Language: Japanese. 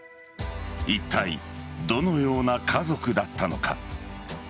いったいどのような家族だったのか。